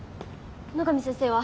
野上先生は？